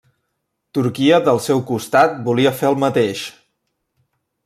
Turquia del seu costat volia fer el mateix.